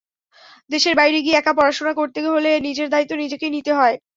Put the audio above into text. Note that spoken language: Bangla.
দেশের বাইরে গিয়ে একা পড়াশোনা করতে হলে নিজের দায়িত্ব নিজেকেই নিতে হয়।